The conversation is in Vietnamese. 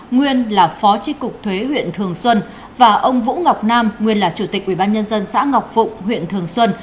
nguyên là phó tri cục thuế huyện thường xuân và ông vũ ngọc nam nguyên là chủ tịch ubnd xã ngọc phụng huyện thường xuân